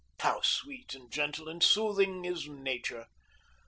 How sweet and gentle and soothing is Nature!